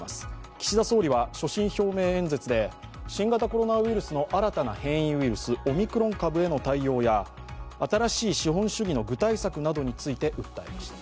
岸田総理は所信表明演説で新型コロナウイルスの新たな変異ウイルス、オミクロン株への対応や新しい資本主義の具体策などについて訴えました。